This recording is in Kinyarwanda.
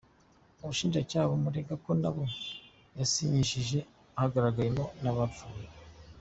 Ubushinjacyaha bumurega ko mu bo yasinyishije hagaragayemo n’abapfuye.